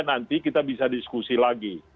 nanti kita bisa diskusi lagi